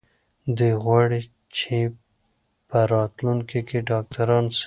دوی غواړي چې په راتلونکي کې ډاکټران سي.